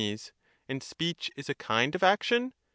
And speech is a kind of action?